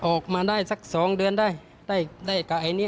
ออกมาได้สัก๒เดือนได้ได้กับไอ้นี่